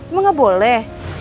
emang gak boleh